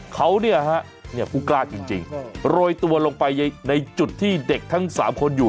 เขาเนี่ยฮะเนี่ยผู้กล้าจริงโรยตัวลงไปในจุดที่เด็กทั้ง๓คนอยู่